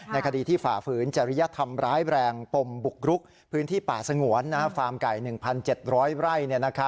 คดีที่ฝ่าฝืนจริยธรรมร้ายแรงปมบุกรุกพื้นที่ป่าสงวนฟาร์มไก่๑๗๐๐ไร่